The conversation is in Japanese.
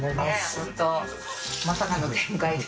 本当まさかの展開で。